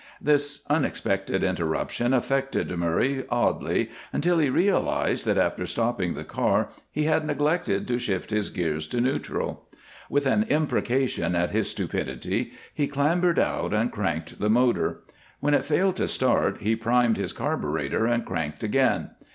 This unexpected interruption affected Murray oddly, until he realized that after stopping the car he had neglected to shift his gears to neutral. With an imprecation at his stupidity he clambered out and cranked the motor. When it failed to start he primed his carbureter and cranked again.